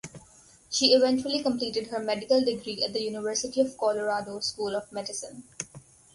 She eventually completed her medical degree at the University of Colorado School of Medicine.